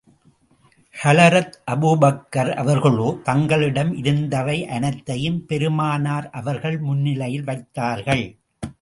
Hazrat Abu Bakr அவர்களோ தங்களிடம் இருந்தவை அனைத்தையும் பெருமானார் அவர்கள் முன்னிலையில் வைத்தார்கள்.